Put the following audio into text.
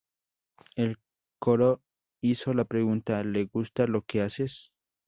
El coro hizo la pregunta "¿Le gusta lo que haces?